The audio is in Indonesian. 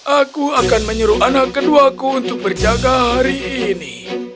aku akan menurut anak kedua aku untuk berjaga hari ini